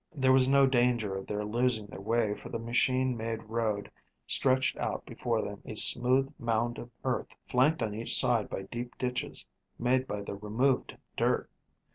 There was no danger of their losing their way for the machine made road stretched out before them a smoothed mound of earth flanked on each side by deep ditches made by the removed dirt.